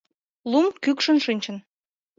Лум кӱкшын шинчын.